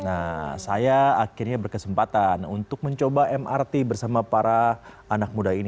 nah saya akhirnya berkesempatan untuk mencoba mrt bersama para anak muda ini